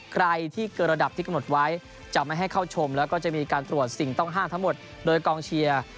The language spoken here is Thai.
ใครที่เกินระดับที่กำหนดไว้จะไม่ให้เข้าชมแล้วก็จะมีการตรวจสิ่งต้องห้ามทั้งหมดโดยกองเชียร์